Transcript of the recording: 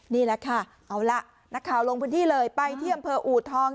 นี่แหละค่ะเอาล่ะนักข่าวลงพื้นที่เลยไปที่อำเภออูทอง